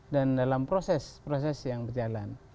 dan dalam proses proses yang berjalan